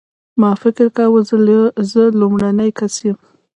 ما فکر کاوه زه لومړنی کس یم.